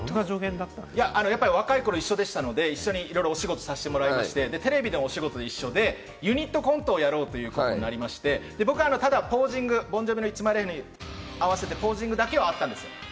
やっぱり若い頃一緒でしたので、お仕事をいろいろさせていただきまして、テレビのお仕事一緒でユニットコントをやろうということになって、ただ僕はボン・ジョヴィの曲に合わせてポージングだけあったんです。